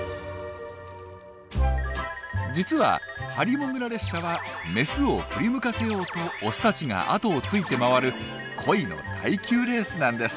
実はハリモグラ列車はメスを振り向かせようとオスたちが後をついて回る恋の耐久レースなんです。